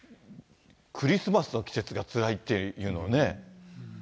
クリスマスの季節がつらいっていうのがね。